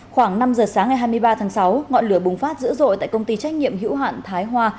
khoảng năm giờ sáng ngày hai mươi ba tháng sáu ngọn lửa bùng phát dữ dội tại công ty trách nhiệm hữu hạn thái hoa